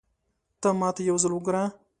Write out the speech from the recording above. ته ماته يو ځل وګوره